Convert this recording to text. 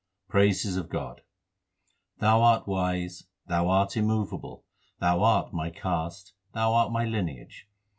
Praises of God : Thou art wise, Thou art immovable, Thou art my caste, Thou art my lineage.